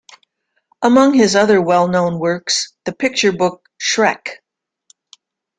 Among his other well-known works, the picture book Shrek!